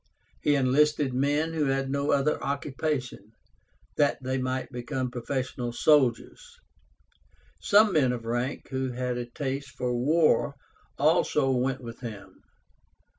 He enlisted men who had no other occupation, that they might become professional soldiers. Some men of rank who had a taste for war also went with him.